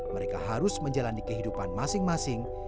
mereka harus menjalani kehidupan masing masing